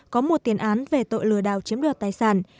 có một tiến án về tội lừa đảo chiếm được tài sản